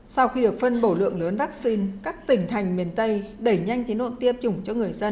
sau khi được phân bổ lượng lớn vaccine các tỉnh thành miền tây đẩy nhanh tiến độ tiêm chủng cho người dân